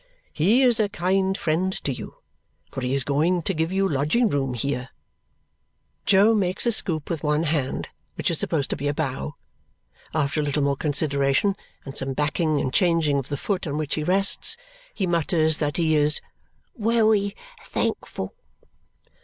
"He is a kind friend to you, for he is going to give you lodging room here." Jo makes a scoop with one hand, which is supposed to be a bow. After a little more consideration and some backing and changing of the foot on which he rests, he mutters that he is "wery thankful."